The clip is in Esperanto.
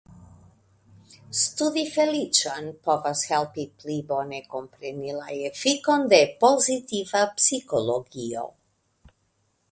Studi feliĉon povas helpi pli bone kompreni la efikon de pozitiva psikologio.